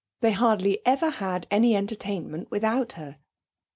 They hardly ever had any entertainment without her.